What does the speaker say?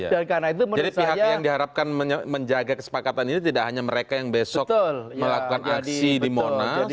jadi pihak yang diharapkan menjaga kesepakatan ini tidak hanya mereka yang besok melakukan aksi di monas